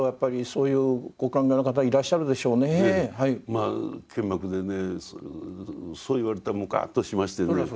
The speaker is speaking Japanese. まあけんまくでねそう言われたらムカッとしましてね